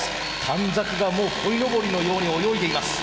短冊がこいのぼりのように泳いでいます。